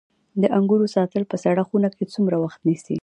د انګورو ساتل په سړه خونه کې څومره وخت نیسي؟